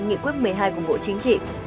nghị quyết một mươi hai của bộ chính trị